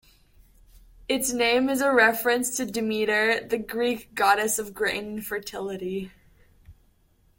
Its name is a reference to Demeter, the Greek goddess of grain and fertility.